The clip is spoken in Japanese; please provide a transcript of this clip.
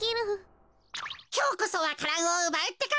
きょうこそわか蘭をうばうってか。